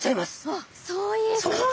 あっそういうこと。